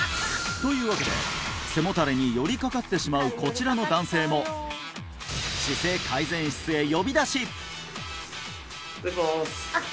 というわけで背もたれに寄りかかってしまうこちらの男性も失礼します！